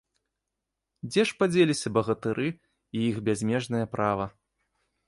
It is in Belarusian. Дзе ж падзеліся багатыры і іх бязмежнае права?